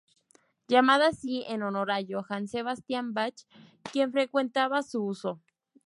Llamada así en honor a Johann Sebastian Bach, quien frecuentaba su uso.